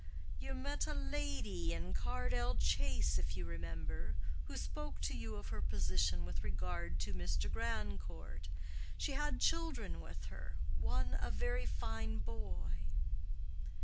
"You met a lady in Cardell Chase, if you remember, who spoke to you of her position with regard to Mr. Grandcourt. She had children with her—one a very fine boy."